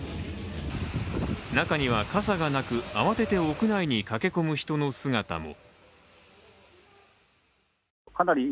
中には傘がなく、慌てて屋内に駆け込む人の姿も。